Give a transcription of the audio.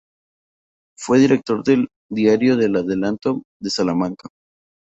Fue director del diario El Adelanto de Salamanca.